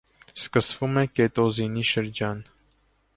Սկսվում է կետոզինի շրջան։